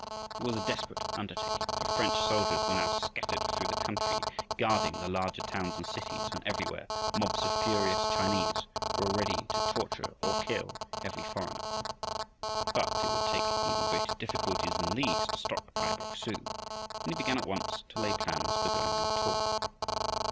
It was a desperate undertaking, for French soldiers were now scattered through the country, guarding the larger towns and cities and everywhere mobs of furious Chinese were ready to torture or kill every foreigner. But it would take even greater difficulties than these to stop Kai Bok su, and he began at once to lay plans for going on a tour.